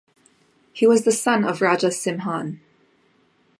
He was the son of Raja Simhan.